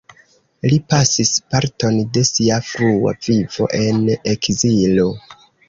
Li pasis parton de sia frua vivo en ekzilo.